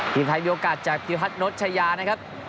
ทีมไทยมีโอกาสจากพิพัฒนชายานะครับ